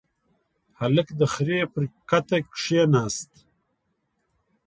هلک د خرې پر کته کېناست.